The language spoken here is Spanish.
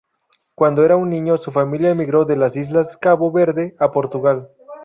Cuando era un niño, su familia emigró de las islas Cabo Verde a Portugal.